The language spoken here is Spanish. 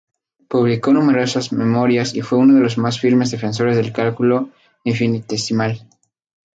Publicó numerosas memorias y fue uno de los más firmes defensores del cálculo infinitesimal.